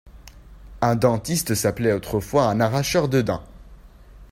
Un dentiste s’appelait autrefois un arracheur de dent.